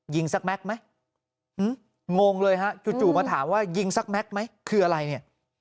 สักแม็กซ์ไหมงงเลยฮะจู่มาถามว่ายิงสักแม็กซ์ไหมคืออะไรเนี่ย